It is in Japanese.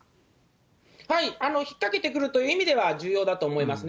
引っ掛けてくるという意味では重要だと思いますね。